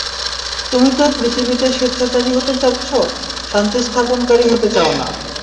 তুমি তো পৃথিবীতে স্বেচ্ছাচারী হতে চাচ্ছ, শান্তি স্থাপনকারী হতে চাও না।